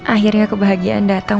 akhirnya kebahagiaan datang